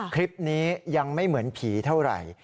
คลิปนี้ยังไม่เหมือนผีเท่าไหร่